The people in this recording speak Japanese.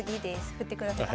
振ってください。